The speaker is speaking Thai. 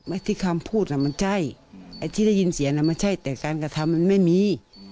ที่คำพูดน่ะมันใช่ไอ้ที่ได้ยินเสียงไม่ใช่แต่การกระทำมันไม่มี